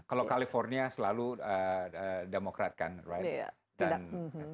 kalau california selalu demokrat kan right